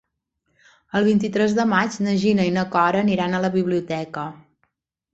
El vint-i-tres de maig na Gina i na Cora aniran a la biblioteca.